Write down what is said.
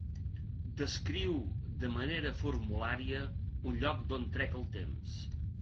Descriu de manera formulària un lloc d'on trec el temps.